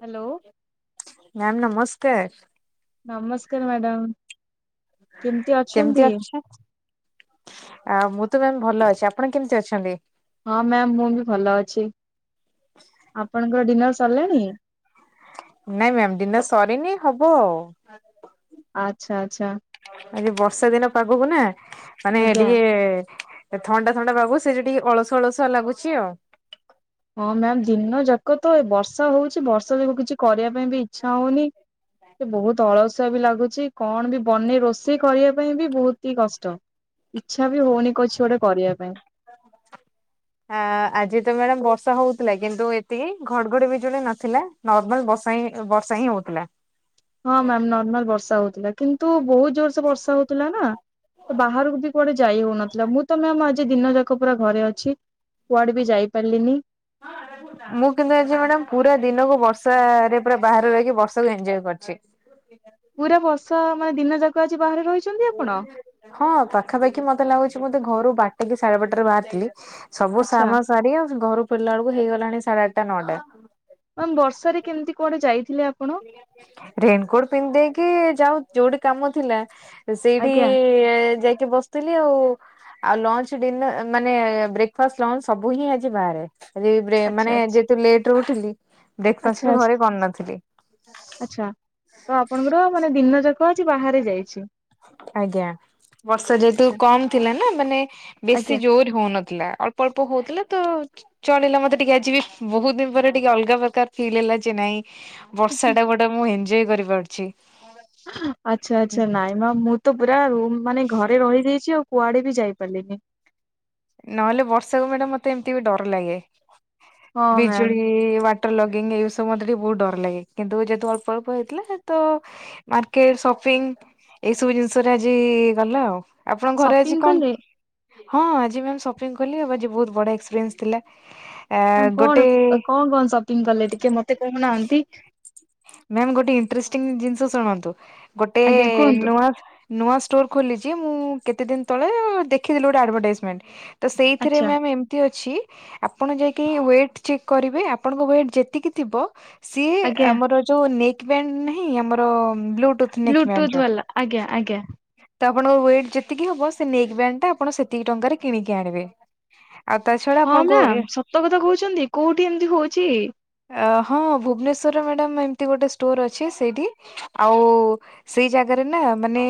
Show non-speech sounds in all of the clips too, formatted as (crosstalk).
Hello. Ma'am ନମସ୍କାର। ନମସ୍କାର madam. କେମିତି ଅଛନ୍ତି? ଆ ମୁଁ ତ କହିଲି ଭଲ ଅଛି। ଆପଣ କେମିତି ଅଛନ୍ତି? ହଁ ମ୍ୟାମ ମୁଁ ବି ଭଲ ଅଛି ଆପଣଙ୍କର ଡିନର୍ ସରିଲାଣି? ନାଇଁ ମ୍ୟାାମ ଡିନର ସରିନି ହବ ଆଉ। ଆଚ୍ଛା ଆଚ୍ଛା। ଆଜି ବର୍ଷା ଦିନ ପାଗକୁ ନା ମାନେ ଆଜ୍ଞା। ଟିକେ ଏ ଥଣ୍ଡା ଥଣ୍ଡା ପାଗକୁ ସେଇ ମୁଗଟିକେ ଅଳସୁ ଅଳସୁଆ ଲାଗୁଛି ଆଉ ହଁ ମ୍ୟାମ ଦିନ ଯାକ ତ ଏ ବର୍ଷା ହଉଛି ବର୍ଷା ଯୋଗୁ କିଛି କରିବା ପାଇଁ ବି ଇଚ୍ଛା ହଉନି। ସେ ବହୁତ ଅଳସୁଆ ବି ଲାଗୁଛି କଣ ବି ବନେଇ ରୋଷେଇ କରିବା ପାଇଁ ବି ବହୁତ ହି କଷ୍ଟ। ଇଚ୍ଛା ବି ହଉନି କଛି ଗୋଟେ କରିବା ପାଇଁ। (inaudible) ଆ ଆଜି ତ ମ୍ୟାଡାାମ ବର୍ଷା ହଉଥିଲା କିନ୍ତୁ ଏତିକି ଘଡଘଡି ବିଜୁଳି ନଥିଲା। ନର୍ମାଲ ବର୍ଷା ହିଁ ବର୍ଷା ହିଁ ହଉଥିଲା। ହଁ ମ୍ୟାାମ ନର୍ମାଲ ବର୍ଷା ହଉଥିଲା। କିନ୍ତୁ ବହୁତ ଜୋର ସେ ବର୍ଷା ହୋଉଥିଲା ନା ତ ବାହାରକୁ ବି କୁଆଡେ ଯାଇ ହଉନଥିଲା। ମୁଁ ତ ମ୍ୟାମ ଆ ଜି ଦିନ ଯାକ ପୁରା ଘରେ ଅଛି କୁଆଡେ ବି ଯାଇ ପାରିଲିନି। (unintelligible) ମୁଁ କିନ୍ତୁ ଆଜି ମ୍ୟାଡ଼ାମ ପୁରା ଦିନକୁ ବର୍ଷାରେ ପୁରା ବାହାରେ ରହିକି ବର୍ଷାକୁ ଏନଜୟ କରିଛି। ପୁରା ବର୍ଷା ମାନେ ଦିନ ଯାକ ଆଜି ବାହାରେ ରହିଛନ୍ତି ଆପଣ? ହଁ ପାଖାପାଖି ମତେ ଲାଗୁଛି ମତେ ଘରୁ ବାରଟା କି ସାଢେ ବାରଟା ରେ ବାହାରଥିଲି। ସବୁ ଆଚ୍ଛା ସାମ ସାରି ଆ ଘରୁ ଫରିଲା ବେଳକୁ ହେଇଗଲାଣି ସାଢେ ଆଠଟା ନଅଟା। ମାମ୍ ବର୍ଷାରେ କେମିତି କୁଆଡେ ଯାଇଥିଲେ ଆପଣ? ରେନକୋଟ ପିନ୍ଧିଦେଇକି ଯାଉ ଯୋଉଠି କାମ ଥିଲା। ସେଇଠି ଆଜ୍ଞା ଯାଇକି ବସ ଥିଲ ଆଉ। ଆ ଲଞ୍ଚ ଡିନର୍ ମାନେ ବ୍ରେକଫାଷ୍ଟ ଲଞ୍ଚ ସବୁ ହିଁ ଆଜି ବାହାରେ। ରି ବେ ଆଜି ଆଚ୍ଛା ମାନେ ଆଚ୍ଛା ଯେହେତୁ ଲେଟ୍ ରେ ଉଠିଲି ବ୍ରେକଫାଷ୍ଟ ଆଚ୍ଛା ବି ଆଚ୍ଛା ଘରେ କରିନଥିଲି। ଆଚ୍ଛା ତ ଆପଣଙ୍କର ମାନେ ଦିନ ଯାକ ଆଜି ବାହାରେ ଯାଇଛି। ଆଜ୍ଞା ବର୍ଷା ଯେହେତୁ ଆଚ୍ଛା କମ ଥିଲାନା ମାନେ ବେଶି ଆଜ୍ଞା ଜୋର ହଉନଥିଲା। ଅ ଳ୍ପ ଅଳ୍ପ ହୋଉଥିଲା ତ ଚଳିଲା ମତେ ଟିକେ ଆଜି ବି ବହୁତ ଦିନ ପରେ ଟିକେ ଅଲଗା ପ୍ରକାର ଫିଲ୍ ହେଲା ଯେ ନାଇଁ ବର୍ଷା ଟା ଗୋଟେ ମୁଁ ଏଞଜୟ କରିପାରୁଛି। ଆଚ୍ଛା ଆଚ୍ଛା ନାଇଁ ମାମ୍ ମୁଁତ ପୁରା ରୁମ ମାନେ ଘରେ ରହି ଯାଇଛି ଆଉ। କୁଆଡେ ବି ଯାଇ ପାରିଲିନି। ନହେଲେ ବର୍ଷାକୁ ମ୍ୟାଡ଼ାମ ମତେ ଏମିତି ବି ଡର ଲାଗେ। ହଁ ମ୍ୟାମ୍ ବିଜୁଳି ମା ଟର ଲଗିଙ୍ଗୀ ଏଇ ସବୁ ମୋତେ ଟିକେ ବହୁତ ଡ଼ର ଲାଗେ କିନ୍ତୁ ଯେହତୁ ଅଳ୍ପ ଅଳ୍ପ ହେଇଥିଲା ତ ମାର୍କେଟ ସପିଙ୍ଗ ଏଇ ସବୁ ଜିନିଷରେ ଆଜି ଇ ଇ ଇ ଗଲା ଆଉ। ଆପଣଙ୍କ ଘରେ ଆଜି ସପିଂ କଣ? କଲେ ହଁ ଆଜି ଆଜି ମ୍ୟାମ୍ ସପିଂ କଲି ଆଜି ବହୁତ ବଡ ଏକ୍ସପିରିଏନ୍ସ ଥିଲା। ଆ ମାମ୍ କଣ ଗୋଟେ କଣ କଣ ସପିଂ କଲେ ଟିକେ ମତେ କହୁନାହାନ୍ତି? ମ୍ୟାମ୍ ଗୋଟେ ଇନ୍ତ୍ରେଷ୍ଟିଙ୍ଗ ଜିନିଷ ଶୁଣନ୍ତୁ ଗୋଟେ ଏ ଆଜ୍ଞା ଏ କୁହନ୍ତୁ ନୂଆ ନୂଆ ଷ୍ଟୋର ଖୋଲିଚି ମୁଁ କେତେ ଦିନ ତଳେ ଦେଖିଥିଲି ଗୋଟେ ଆଡ଼ଭାଟାଇଜମେଣ୍ଟ ତ ସେଇଥିରେ ଆଚ୍ଛା ମ୍ୟାମ୍ ଏମତି ଅଛି ଆପଣ ଯାଇକି ୱେଟ ଚେକ୍ କରିବେ ଆପଣଙ୍କ ୱେଟ ଯେତିକି ଥିବ ସିଏ ଆଜ୍ଞା ଆମର ଯୋଉ ନେକ୍ ବ୍ୟାଣ୍ଡ ନାହିଁ ଆମର ବ୍ଲୁଟୁଥ ନେକ୍ ବ୍ୟାଣ୍ଡ ବ୍ଲୁଟୁଥ୍ ଯୋଉ ବାଲା ଆଜ୍ଞା ଆଜ୍ଞା। ତ ଆପଣଙ୍କ ୱେଟ୍ ଯେତିକି ହବ ସେ ନେକ୍ ବ୍ୟାଣ୍ଡ ଟା ଆପଣ ସେତିକି ଟଙ୍କାରେ କିଣିକି ଆଣିବେ। ଆଉ ତା ଛ ହଁ ମ୍ୟାମ୍ ସତ କଥା କହୁଚନ୍ତି କୋଉଠି ଏମିତି ହଉଛି? ଅ ହଁ ଭୁବନେଶ୍ୱର ରେ ମ୍ୟାଡ଼ାମ୍ ଏମତି ଗୋଟେ ଷ୍ଟୋର ଅଛି ସେଇଠି ଆଉ ଉ ଉ ଉ ସେଇ ଜାଗାରେ ନା ମାନେ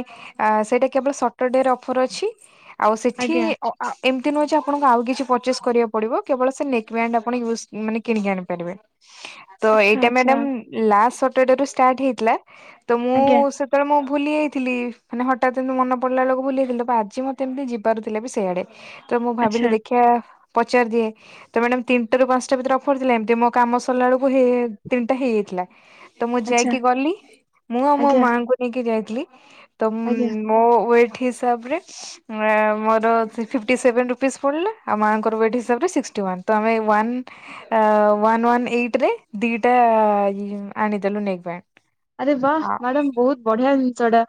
ଆ ଆ ସେଇଟା କେବଳ ସଟରଡେର ଅଫର ଅଛି। ଆଉ ସେଠି ଆଜ୍ଞା ଅ ଆ ଏମତି ନୁହେଁ ଯେ ଆପଣଙ୍କୁ ଆଉ କିଛି ପର୍ଚେସ୍ କରିବାକୁ ପଡ଼ିବ କେବଳ ସେ ନେକ୍ ବ୍ୟାଣ୍ଡ ଆପଣ ୟୁଜ୍ ମାନେ କିଣିକି ଆଣିପାରିବେ। ତ ଆଚ୍ଛା ଏଇଟା ଆଚ୍ଛା ମ୍ୟାଡାମ୍ ଲାଷ୍ଟ ସଟରଡେରୁ ଷ୍ଟାଟ୍ ହେଇଥିଲା ତ ମୁଁ ଉ ଆଜ୍ଞା ଉ ସେ ତେଳେ ମୁଁ ଭୁଲି ଯାଇଥିଲି ମାନେ ହଠାତ୍ ଏମତି ମନେ ପଡ଼ିଲା ବେଳକୁ ଭୁଲି ଯାଇଥିଲି ତ ପା ଆଜି ମତେ ଏମତି ଯିବାର ଥିଲା ବି ସେଆଡେ। ତ ମୁଁ ଭାବିଲି ଆଚ୍ଛା ଦେଖିଆ ପଚାର ଦିଏ ତ ମ୍ୟାଡାମ୍ ତିନିଟାରୁ ପାଞ୍ଚଟା ଭିତରେ ଅଫର ଥିଲା ଏମତି ମୋ କାମ ସରିଲା ବେଳକୁ ହେଏ ତିନଟା ହେଇଯାଇଥିଲା। ତ ମୁଁ ଆଚ୍ଛା ଯାଇକି ଗଲି ମୁଁ ଆଉ ମୋ ଆଜ୍ଞା ମାଙ୍କୁ ନେଇକି ଯାଇଥିଲି ତ ଆଜ୍ଞା ମୋ ୱେଟ୍ ହିସାବରେ ମୋର ଫିଫ୍ଟି ସେଭେନ୍ ରୁପିଜ୍ ପଡ଼ିଲା ଆଉ ମାଙ୍କର ୱେଟ୍ ହିସାବରେ ସିକ୍ସଟି ୱାନ୍ ତ ଆମେ one uh one one eighty ରେ ଦିଟା ଆଣିଦେଲୁ ନେକ୍ ବ୍ୟାଣ୍ଡ। ଆରେ ବା ମାଡ଼ାମ୍ ବହୁତ ବଢ଼ିଆ ଜିନିଷ ଟା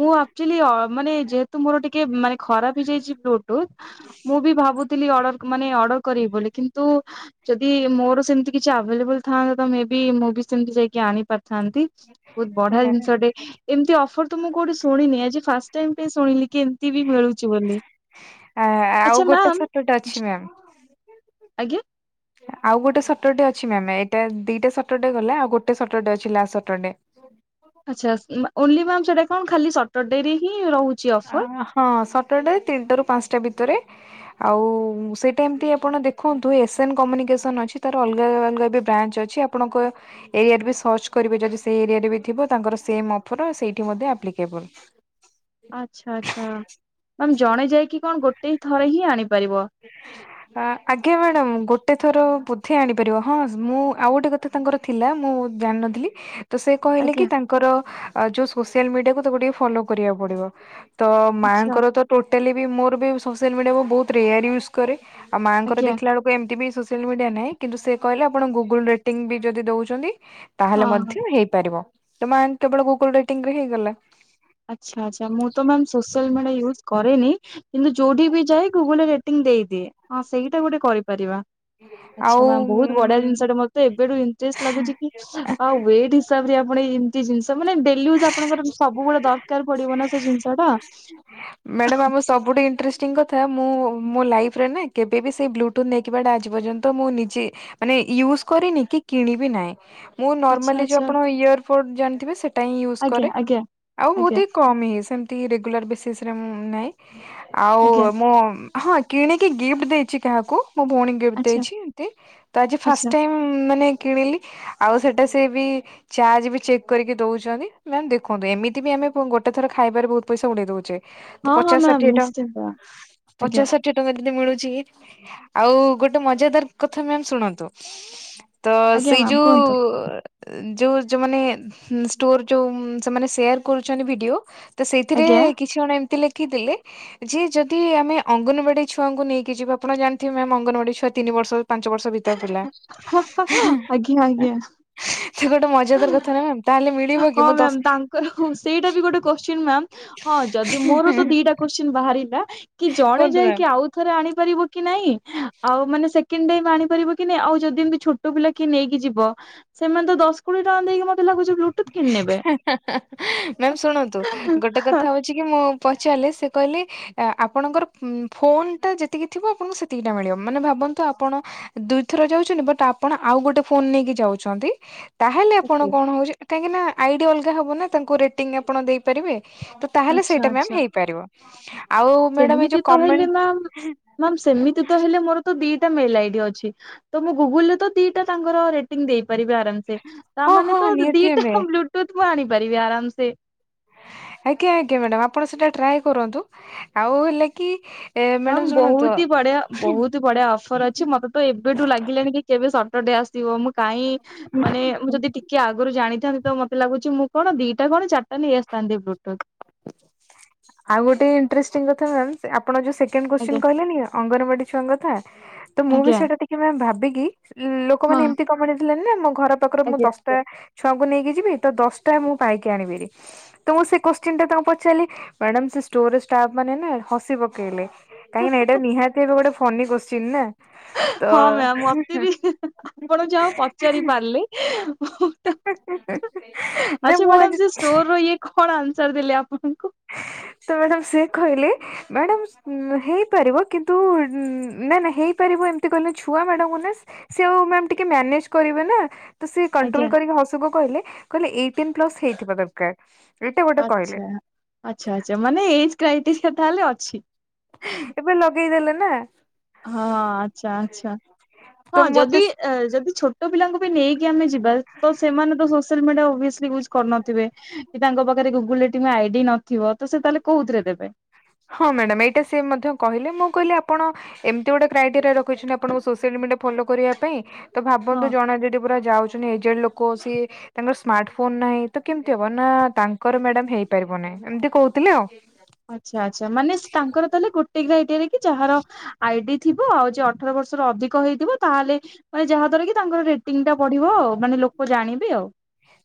ମୁଁ ଆକ୍ଚୁଆଲି ମାନେ ଯେହେତୁ ମୋର ଟିକେ ମାନେ ଖରାପ ହେଇଯାଇଚି ବ୍ଲୁ ଟୁଥ୍ ମୁଁ ବି ଭାବୁଥିଲି ଅର୍ଡର ମାନେ ଅର୍ଡର କରିବି ବୋଲି କିନ୍ତୁ ଯଦି ମୋର ସେମତି କିଛି ଆଭେଲେବୁଲ ଥାଆନ୍ତା ତ ମେ ବି ମୁଁ ବି ସେମତି ଯାଇକି ଆଣିପାର ଥାନ୍ତି ବହୁତ ବଢ଼ିଆ ଜିନିଷ ଟେ। ଟେ ଏମତି ଅଫର ତ ମୁଁ କୋଉଠି ଶୁଣିନି ଆଜି ଫାଷ୍ଟ ଟାଇମ୍ ପାଇଁ ଶୁଣିଲି କି ଏମତି ବି ମିଳୁଚି ବୋଲି। ଆଉ ଆଚ୍ଛା ଗୋଟେ ମାମ୍ ସଟରଡେ ଅଛି ମ୍ୟାମ୍। ଆଜ୍ଞା। ଆଉ ଗୋଟେ ସଟରଡେ ଅଛି ମ୍ୟାମ୍ ଏଇଟା ଦିଟା ସଟରଡେ ଗଲା ଆଉ ଗୋଟେ ସଟରଡେ ଅଛି ଲାଷ୍ଟ ସଟରଡେ। ଆଚ୍ଛା ଓନ୍ଲି ମାମ୍ ସେଟା କଣ ଖାଲି ସଟରଡେରେହିଁ ରହୁଚି ଆ ଅଫର୍? ହଁ ସଟରଡେ ତିନଟା ରୁ ପାଞ୍ଚଟା ଭିତରେ ଆଉ ଉ ଉ ସେଇଟା ଏମତି ଆପଣ ଦେଖନ୍ତୁ ଏସ ଏନ୍ କମ୍ୟୁନିକେସନ ଅଛି ତାର ଅଲଗା ଅଲଗା ଏବେ ବ୍ରାଞ୍ଚ ଅଛି ଆ ପଣଙ୍କ ଏ ଏରିଆରେ ବି ସର୍ଚ କରିବେ ଯଦି ସେ ଏରିଆରେ ବି ଥିବ ତାଙ୍କର ସେମ୍ ଅଫର ସେଇଠି ମଧ୍ୟ ଆପ୍ଲି କେବୁଲ୍। ଆଚ୍ଛା ଆଚ୍ଛା ମାମ୍ ଜଣେ ଯାଇକି କଣ ଗୋଟେ ହି ଥରେ ହିଁ ଆଣିପାରିବ? ଆ ଆଜ୍ଞା ମ୍ୟାଡାମ୍ ଗୋଟେ ଥର ବୋଧେ ଆଣିପାରିବ ହଁ ମୁଁ ଆଉ ଗୋଟେ କଥା ତ ତାଙ୍କର ଥିଲା ମୁଁ ଜାଣିନଥିଲି। ତ ସେ କହିଲେ କି ଆଜ୍ଞା ତାଙ୍କର ଯୋଉ ସୋସିଆଲ ମିଡିଆକୁ ତାକୁ ଟିକେ ଫଲୋ କରିବାକୁ ପଡ଼ିବ। ତ ଆଚ୍ଛା ମାଆଙ୍କର ତ ଟୋଟାଲେ ବି ମୋର ବି ସୋସିଆଲ ମିଡିଆ ବହୁ ବହୁତ ରେୟାର ୟୁଜ କରେ ଆଉ ମାଆଙ୍କର ଆଜ୍ଞା ଦେଖିଲା ବଳକୁ ଏମତି ବି ସୋସିଆଲ ମିଡିଆ ନାହିଁ, କିନ୍ତୁ ସେ କହିଲେ ଆପଣ ଗୁଗଲ ରେଟିଂ ବି ଯଦି ଦଉଛନ୍ତି ହଁ ତାହେଲେ ହଁ ମଧ୍ୟ ହେଇପାରିବ, ତ ମାନ କେବଳ ଗୁଗଲ ରେଟିଙ୍ଗ୍ ରେ ହେଇଗଲା। ଆଚ୍ଛା ଆଚ୍ଛା ମୁଁ ତ ମ୍ୟାମ୍ ସୋସିଆଲ ମିଡିଆ ୟୁଜ୍ କରେନି। କିନ୍ତୁ ଯୋଉଠି ବି ଯାଏ ଗୁଗୁଲରେ ରେଟିଙ୍ଗ ଦେଇଦିଏ। (unintelligible) ଆଚ୍ଛା ମ୍ୟାମ ବହୁତ ବଢିଆ ଆଉ ଜିନିଷ ଟା, ମତେ ଏବେଠୁ ଇଣ୍ଟରେଷ୍ଟ ଲାଗୁଛି କି ଆଉ ୱେଟ୍ ହିସାବରେ ଆପଣ ଏମିତି ଜିନିଷ ମାନେ ଡେଲି ୟୁଜ୍ ଆପଣଙ୍କର ସବୁବେଳେ ଦ କାର ପଡିବ ନା ସେ ଜିନିଷ ଟା। ମ୍ୟାଡାମ (unintelligible) ଆମ ସବୁଠୁ ଇଣ୍ଟରେଷ୍ଟିଙ୍ଗ କଥା ମୁଁ ମୋ ଲାଇଫ୍ ରେ ନା କେବେବିି ସେଇ ବ୍ଲୁଟୁଥ୍ ନେଇକିବାଟା ଆଜି ପର୍ଯ୍ୟନ୍ତ, ମୁଁ ନିଜେ ମାନେ ୟୁଜ କରିନି କି କିଣିବି ନାହିଁ। ମୁଁ ଆଚ୍ଛା ନର୍ମାଲି ଯୋଉ ଆଚ୍ଛା ଆପଣ ଇୟରଫୋଡ଼ ଜାଣିଥିବେ ସେଇଟା ହିଁ ୟୁଜ୍ ଆଜ୍ଞା କରେ। ଆଜ୍ଞା ଆଉ ଆଜ୍ଞା ବହୁତି କମ୍ ହିଁ ସେମିତି ରେଗୁଲାର ବେସିସ୍ ରେ ମୁଁ ନାହିଁ। ଆଜ୍ଞା ଆଉ ମୁ ହଁ କିଣିକି ଗିଫ୍ଟ ଦେଇଚି କାହାକୁ, ମୋ ଭଉଣୀ ଗିଫ୍ଟ ଆଚ୍ଛା ଦେଇଛି ଏମତି, ତ ଆଜି ଆଚ୍ଛା। ଫାଷ୍ଟ ଟାଇମ୍ ମାନେ କିଣିଲି, ଆଉ ସେଟା ସେ ବି ଚାର୍ଜ ବି ଚେକ୍ କରିକି ଦଉଛନ୍ତି। ମ୍ୟାମ ଦେଖନ୍ତୁ ଏମିତି ବି ଆମେ (unintelligible) ଗୋଟେ ଥର ଖାଇବାରେ ବହୁତ ପଇସା ଉଡେଇ ଦଉଛେ। ତ ହଁ ହଁ ପଚାଶ ମ୍ୟାମ୍ ଷାଠିଏ ଟ, ନିଶ୍ଚିନ୍ତ ଆଜ୍ଞା ପଚାଷା ଟଙ୍କା ଯଦି ମିଳୁଛି, ଆଉ ଗୋଟେ ମଜାଦାର କଥା ମ୍ୟାମ୍ ଶୁଣନ୍ତୁ? ତ ଆଜ୍ଞା ସେଇ ମ୍ୟାମ୍ ଯୋଉ କୁହନ୍ତୁ ଯୋଉ ଯୋଉ ମାନେ ଷ୍ଟୋର ଯୋଉ ସେମାନେ ସେୟାର କରୁଛନ୍ତି ଭିଡିଓ, ତ ସେଇଥିରେ ଆଜ୍ଞା। କିଛି ଜଣ ଏମିତି ଲେଖିଥିଲେ ଯିଏ ଯଦି ଆମେ ଅଙ୍ଗନବାଡି ଛୁଆଙ୍କୁ ନେଇକି ଯିବା, ଆପଣ ଜାଣିଥିବେ ମ୍ୟାମ ଅଙ୍ଗନବାଡି ଛୁଆ ତିନି ବର୍ଷ ପାଞ୍ଚ ବର୍ଷ ଭିତରେ ପିଲା। ଆଜ୍ଞା (unintelligible) ଆଜ୍ଞା ସେ ଗୋଟେ ମଜାଦାର କଥା ନା ମ୍ୟାମ୍ ତାହେଲେ ମିଳିବ କି ହଁ ମୁଁ ଦଶ ମ୍ୟାମ୍, ତାଙ୍କର ସେଇଟା ବି ଗୋଟେ କୋଶ୍ଚିନ୍ ମ୍ୟାମ୍। ହଁ ଯଦି ମୋର ତ ଦିଟା କୋଶ୍ଚିନ ବାହାରିଲା, କି ଜଣେ କୁହନ୍ତୁ ମ୍ୟାମ୍। ଯାଇକି ଆ ଆଉ ଥରେ ଆଣିପାରିବ କି ନାହିଁ, ଆଉ ମାନେ ସେକେଣ୍ଡ ଟାଇମ୍ ଆଣିପାରିବ କି ନାଇଁ, ଆଉ ଯଦି ଏମିତି ଛୁ (unintelligible) ପିଲା କିଏ ନେଇକି ଯିବ, ସେମାନେ ତ ଦଶ କୋଡିଏ ଟଙ୍କା ଦେଇକି ମତେ ଲାଗୁଚି ବ୍ଲୁ ମ୍ୟାମ୍ ଶୁଣନ୍ତୁ? ଗୋଟେ କଥା ହଉ ଚିକି ମୁଁ ପଚାରିଲି, ସେ କହିଲେ ଆ ଆପଣଙ୍କର ଫୋନ ଟା ଯେତିକି ଥିବ ଆପଣଙ୍କୁ ସେତିକି ଟା ମିଳିବ, ମାନେ ଭାବନ୍ତୁ ଆପଣ ଦୁଇଥର ଯାଉଛନ୍ତି ବଟ ଆପଣ ଆଉ ଗୋଟେ ଫୋନ ନେଇକି ଯାଉଛନ୍ତି। ତାହେଲେ ଆପଣ କଣ ହଉଛି, କାହିଁକି ନା ଆଇଡି ଅଲଗା ହବ ନା ତାଙ୍କୁ ରିଟିଂ ଆପଣ ଦେଇପାରିବେ। (unintelligible) ତାହେଲେ ଆଚ୍ଛା ସେଇଟା ମ୍ୟାମ୍ ଆଚ୍ଛା। ହେଇପାରିବ। ଆଉ ମ୍ୟାଡାମ ଏଇ ସେମିତି ଯୋଉ ତ ହେଲେ କମେଣ୍ଟ ମ୍ୟାମ୍, ମ୍ୟାମ୍ ସେମିତି ତ ହେଲେ ମୋର ଦିଟା ମେଲ ଆଇଡି ଅଛି, ତ ମୁଁ ଗୁଗୁଲରେ ତ ଦିଟା ତାଙ୍କର ରେଟିଂ ଦେଇପାରିବି ଆରାମସେ। ହଁ ତାମାନେ ହଁ ତ ନିହାତି ଦିଟା ଆମେ ବ୍ଲୁଟୁଥୁ ଆଣିପାରିବି ଆରାମସେ। ଆଜ୍ଞା ଆଜ୍ଞା ମ୍ୟାଡ଼ାମ ଆପଣ ସେଟା ଟ୍ରାଏ କରନ୍ତୁ, ଆଉ ହେଲା କି ଏ ମ୍ୟାଡାମ (unintelligible) ଶୁଣନ୍ତୁ ବୋହୁତି ବଢିଆ ବୋହୁତୁ ବଢିଆ ଅଫର ଅଛି, ମତେ ତ ଏବେଠୁ ଲାଗିଲାଣି କି କେବେ ସଟର ଡେ ଆସିବ ମୁଁ କାଇଁ, ମାନେ ମୁଁ ଯଦି ଟିକେ ଆଗରୁ ଜାଣିଥାନ୍ତି ତ ମତ ଲାଗୁଚି ମୁଁ କଣ ଦିଟା କଣ ଚାରଟା ନେଇଆସିଥାନ୍ତି ବ୍ଲୁଟୁଥ। ଆଉ ଗୋଟେ ଇଣ୍ଟଷ୍ଟିଂ କଥା ମ୍ୟାମ୍। ଆପଣ ଯୋଉ ସେକଣ୍ଡ କୋଶ୍ଚିନ୍ ଆଜ୍ଞା କହିଲେନି ଅଙ୍ଗନବାଡି ଛୁଆଙ୍କ କଥା, ତ ମୁଁ ବି ଆଜ୍ଞା ସେଇଟା ଟି ମ୍ୟାମ୍ ଭାବିକି ହଁ ଲୋକମାନେ ଏମିତି (unintelligible) ଥିଲେ ନା ମୋ ଘର ପାଖରୁ ମୁଁ ଆଜ୍ଞା ଦଶଟା ଆଜ୍ଞା ଛୁଆଙ୍କୁ ନେଇକି ଯିବି ତ ଦଶଟା ମୁଁ ପାଇକି ଆଣିବି (unintelligible) ତ ମୁଁ ସେ କୋଶ୍ଚିନ୍ ଟା ତାଙ୍କୁ ପ ଚାଲି, ମ୍ୟାଡାମ୍ ସେ ଷ୍ଟୋର ଷ୍ଟାପମାନେ ନା ହସି ପକେଇଲେ। କାହିଁକି ନା ଏଇଟା ନିହାତି ଏବେ ଗୋଟେ ଫନି କୋଶ୍ଚିନ୍ ନା। ତ ହଁ ମ୍ୟାମ୍ ମତେ ବି ଆପଣ ଯାହା ହଉ ପଚାରି ପାରିଲେ। ନା ଆଛା ମୁଁ ମ୍ୟାଡ଼ାମ ସେ ଆଜି ଷ୍ଟୋର ଇଏ କଣ ଆସ୍ନାର ଦେଲେ ଆପଣଙ୍କୁ। ତ ମ୍ୟାଡାମ ସିଏ କହିଲେ ମ୍ୟାଡାମ୍ ହେଇପାରିବ କିନ୍ତୁ ନା ନା ହେଇପାରିବ ଏମିତି କଲେ ଛୁଆ ମ୍ୟାଡାମ୍ ଙ୍କୁ ନା ସେ ଆଉ ମ୍ୟାମ୍ ଟିକେ ମ୍ୟାନେଜ କରିବେ ନା। ତ ସେ ଆଜ୍ଞା। କଣ୍ଟ୍ରୋଲ କରିକି ହସୁ କୁ କହିଲେ କହିଲେ ଏଇଟିନ୍ ପ୍ଲସ ହେଇଥିବା ଦରକାର ଏଇଟା ଗୋଟେ କହିଲେ। ଆଛା ଆଛା ମାନେ ଏଜ କ୍ରାଇଟିସ୍ କଥା ହେଲେ ଅଛି। ଏବେ ଲଗେଇଦେଲେ ନା। ହଁ ଆଛା ଆଛା ହଁ ତ ଯଦି ମତେ ଯଦି ଛୋଟ ତୋ ପିଲାଙ୍କୁ ବି ନେଇକି ଆମେ ଯିବା ତ ସେମାନେ ତ ସୋସିଆଲ ମିଡିଆ ଓବେଶ୍ଲି ୟୁଜ କରୁନଥିବେ। କି ତାଙ୍କ ପାଖରେ ଗୁଗୁଲ ରେ ଟ ଆଇଡି ନଥିବ ତ ସେ ତାହେଲେ କଉଥିରେ ଦେବେ। ହଁ ମ୍ୟାଡ଼ାମ ଏଇଟା ସେ ମଧ୍ୟ କହିଲେ ମୁଁ କହିଲି ଆପଣ ଏମିତି ଗୋଟେ କ୍ରାଇଟେରିଆ ରଖୁଛନ୍ତି ଆପଣଙ୍କୁ ସୋସିଆଲ ମିଡିଆ ଫଲୋ କରିବା ପାଇଁ। ତ ହଁ। ଭାବନ୍ତୁ ଜଣେ ଯଦି ପୁରା ଯାଉଛନ୍ତି ଏଜେଡ ଲୋକ ସିଏ ତାଙ୍କର ସ୍ମାର୍ଟ ଫୋନ ନାହିଁ ତ କେମିତି ହବ ନା ତାଙ୍କର ମ୍ୟାଡାମ ହେଇପାରିବ ନାହିଁ ଏମିତି କହୁଥିଲେ ଆଉ। ଆଛା ଆଛା ମାନେ ତାଙ୍କର ତାହେଲେ ଗୋଟେ ଏରେ କି ଯାହାର ଆଇଡି ଥିବ ଆଉ ଯ ଅଠର ବର୍ଷ ର ଅଧିକ ହେଇଥିବ ତାହେଲେ ମାନେ ଯାହା ଦ୍ଵାରା କି ତାଙ୍କର ରେଟିଙ୍ଗ ଟା ବଢିବ ଆଉ ମାନେ ଲୋକ ଜାଣିବେ ଆଉ।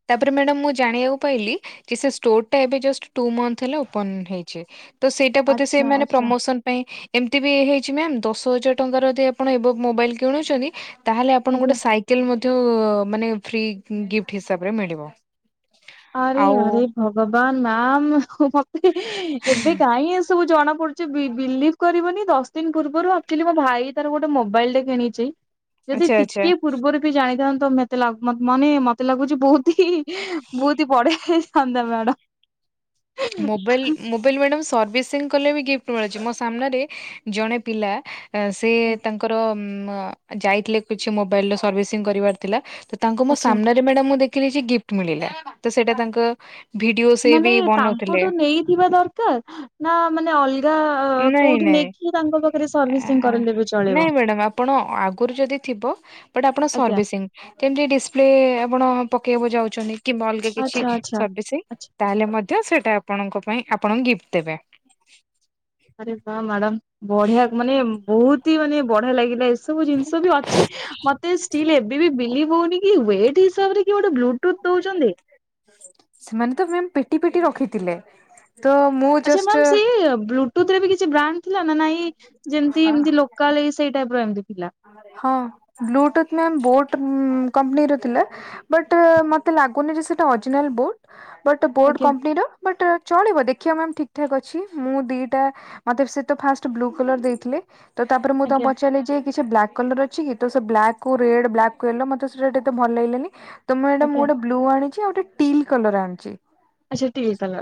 ତାପରେ ମ୍ୟାଡାମ ମୁଁ ଜାଣିବାକୁ ପାଇଲି କି ସେ ଷ୍ଟୋରଟା ଏବେ ଜଷ୍ଟ ଟୁ ମନ୍ଥ ହେଲା ଉପନ୍ ହେଇଛି ତ ସେଇଟା ବୋଧେ ଆଚ୍ଛା ସେମାନେ ଆଚ୍ଛା ପ୍ରମୋଷନ ପାଇଁ ଏମିତି ବି ହେଇଛି ନା ଦଶ ହଜାର ଟଙ୍କାର ଯଦି ଆପଣ ଏ ମୋବାଇଲ କିଣୁଛନ୍ତି ତାହେଲେ ଆପଣଙ୍କୁ ଆଜ୍ଞା। ଗୋଟେ ସାଇକେଲ ମଧ୍ୟ ମାନେ ଫ୍ରି ଗିଫ୍ଟ ହିସାବରେ ମିଳିବ। ଆରେ ଆଉ ଆରେ ଭଗବାନ ମ୍ୟାାମ ମତେ ଏବେ କାଇଁ ଏ ସବୁ ଜଣା ପଡୁଚି ବିଲ ବିଲିପ କରିବନି ଦଶ ଦିନ ପୂର୍ବରୁ ଆକଚାଲି ମୋ ଭାଇ ତାର ଗୋଟେ ମୋବାଇଲ ଟେ କିଣିଚି। ଯଦି ଆଚ୍ଛା ଆଚ୍ଛା ଟିକେ ପୂର୍ବରୁ ବି ଜାଣିଥାନ୍ତୁ ମତେ ମାନେ ମତେ ଲାଗୁଚି ବୋହୁତି ହି ବୋହୁତି ବଢିଆ ହୋଇଥାନ୍ତା ମ୍ୟାଡାମ୍। ମୋବାଇଲ ମୋ ମୁଁ କହିଲି ସର୍ଭିସିଙ୍ଗ କଲେ ବି ଗିପ୍ଟ ମିଳୁଚି ମୋ ସାମନାରେ ଜଣେ ପିଲା ସେ ତାଙ୍କର ଉ ଯାଇଥିଲେ କିଛି ମୋବାଇଲର ସର୍ଭିସିଂ କରିବାର ଥିଲା ତାଙ୍କ ମୋ ଆଚ୍ଛା ସାମ୍ନାରେ ମ୍ୟାଡାମ୍ ମୁଁ ଦେଖିଲି ଯେ ଗିଫ୍ଟ ମିଳିଲା ତ ସେଇଟା ତାଙ୍କ ଭିଡିଓ ସେ ବି ବନଉ କୋଉଠୁ ନେଇଥିବା ଦରକାର ନା ମାନେ ଅଲଗା ନାଇଁ କୋଉଠୁ ନାଇଁ ନେଇକି ତାଙ୍କ ପାଖ ନାଇଁ ମ୍ୟାଡ଼ାମ ଆପଣ ଆଗରୁ ଯଦି ଥିବ ବଟ୍ ଆପଣ ଆଜ୍ଞା ସର୍ଭି ତି ଡିପ୍ ଆପଣ ପକେଇବାକୁ ଯାଉଛନ୍ତି କିଲ। ଆଚ୍ଛା ଆଚ୍ଛା। ତାହେଲେ ମଧ୍ୟ, ସେଇଟା ଆପଣଙ୍କ ପାଇଁ ଆପଣଙ୍କୁ ଗିଫ୍ଟ ଦେବେ। ଆରେ ବା ମ୍ୟାଡାମ, ବଢିଆ ମାନେ ବହୁତ ହି ମାନେ ବଢିଆ ଲାଗିଲା ଏ ସବୁ ଜିନିଷ ବି ଅଛି, ମତେ ଷ୍ଟିଲ୍ ଏବେ ବି ବିଲିଭ କି ୱେ ହିସାବରେ କି ଗୋଟେ ବ୍ଲୁଟୁଥ ଦଉଛନ୍ତି। ସେମାନେ ତ ପେଟି ପେଟି ରଖିଥିଲେ। ତ ମୁଁ। ଆଛା ମ୍ୟାମ ସେ ଜଷ୍ଟ ବ୍ଲୁଟୁଥରେ ବି କିଛି ବ୍ରାଣ୍ଡ ଥିଲା, ନା ନାଇଁ ଯେମିତି ଏମତି କାଲି ସେଇ ଟାଇପ ର ଏମିତି ଥିଲା। ହଁ ବ୍ଲୁଟୁଥ ମ୍ୟାମ ବୋଟ କମ୍ପାନୀ ର ଥିଲା। ବଟ ମତେ ଲାଗୁନି ଯେ ସେଟା ଅରିଜିନାଲ ବଟ, ବୋଟ ବୋଟ ଆଜ୍ଞା କମ୍ପାନୀର। ବଟ୍ ଚଳିବ ଦେଖିବା ମ୍ୟାମ୍, ଠିକଠାକ୍ ଅଛି। ମୁଁ ଦିଟା ମତେ ସେ ତ ଫାଷ୍ଟ ବ୍ଲୁ କଲର ଦେଇଥିଲେ। ତ ତାପରେ ମୁଁ ତାଙ୍କୁ ଆଜ୍ଞା ପଚାରିଲି ଯେ କିଛି ବ୍ଲାକ୍ କଲର ଅଛି କି, ତ ସେ ବଲାକ୍ କୁ ରେଡ୍ ବ୍ଲାକ୍କୁ ୟଲୋ ମତ (unintelligible) ଭଲ ଲାଗିଲାନି। ତ (unintelligible) ମୁଁ ଆଜ୍ଞା ଗୋଟେ ବ୍ଲୁ ଆଣିଛି ଆଉ ଗୋଟେ ଟିଲ୍ କଲର ଆଣିଛି। ଆଛା ଟିଲ କଲର,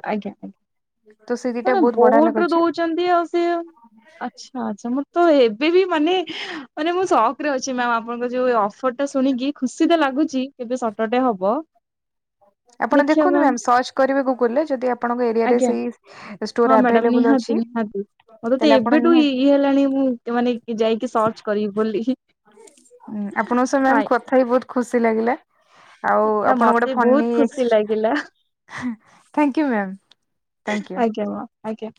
ତ ସେ ଦିଟା ଆଜ୍ଞା ବହୁତ (unintelligible) ବଢିଆ ବୋଟ ଲାଗୁଛି ଦଉଛନ୍ତି ଆଉ ସେ। ଆଛା। ଆଛା ମୁଁ ତ ଏବେ ବି ମାନେ, ମାନେ ମୁଁ ସକ ରେ ଅଛି ମ୍ୟାମ ଆପଣଙ୍କ ଯୋଉ ଅଫର ଟ ଶୁଣିକି ଖୁସି ତ ଲାଗୁଛି, କେବେ ସତଟେ ହବ ଆପଣ ଦେଖିବା ଦେଖନ୍ତୁ ମ୍ୟାମ୍ ମ୍ୟାମ ସର୍ଚ୍ଚ କରିବେ ଗୁଗଲରେ, ଯଦି ଆପଣଙ୍କ ଏରିଆରେ ଆଜ୍ଞା। ସେଇ ଷ୍ଟୋର ହଁ ମ୍ୟାଡ଼ାମ ଆଭେଲେବୁଲ ଅଛି ନିହାତି ନିହାତି। ମୋତେ ତ ତାହେଲେ ଆପଣ ଏବେଠୁ ନିହାତି ଇଏ ହେଲାଣି, ମୁଁ ମାନେ ଯାଇକି ସର୍ଚ୍ଚ କରିବି ବୋଲି। ହଁ ଆପଣଙ୍କ ସ ମ୍ୟାମ ହାଏ, କଥା ହେଇ ବହୁତ ଖୁସି ଲାଗିଲା, ଆଉ ନା ଆପଣ ଗୋଟେ ମତେ ଫ ବହୁତ ଖୁସି ଲାଗିଲା (unintelligible) ଥ୍ୟାଙ୍କୟୁ ମାମ୍ ଥ୍ୟାଙ୍କୟୁ। (unintelligible) ଆଜ୍ଞା।